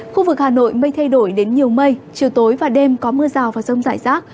khu vực hà nội mây thay đổi đến nhiều mây chiều tối và đêm có mưa rào và rông rải rác